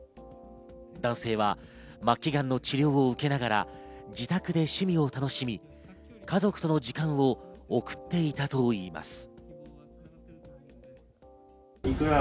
男性は末期がんの治療を受けながら、自宅で趣味を楽しみ、家族との時間を送っていたといいます。